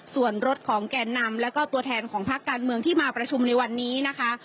ส่วนรถของแก่นำแล้วก็ตัวแทนของพักการเมืองที่มาประชุมในวันนี้นะคะ